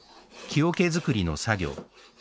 木桶作りの作業。